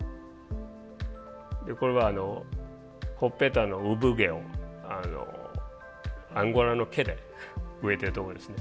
これはほっぺたの産毛をアンゴラの毛で植えてるとこですね。